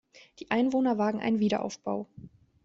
Die Einwohner wagen einen Wiederaufbau.